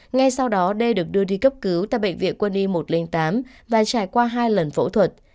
ngay sau đó d được đưa đi cấp cứu tại bệnh viện quân y một trăm linh tám và trải qua hai lần phẫu thuật